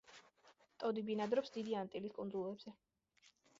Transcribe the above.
ტოდი ბინადრობს დიდი ანტილის კუნძულებზე.